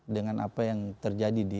dengan apa yang terjadi di